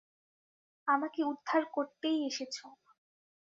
আমাকে উদ্ধার করতেই এসেছো।